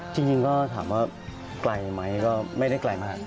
จริงก็ถามว่าไกลไหมก็ไม่ได้ไกลมาก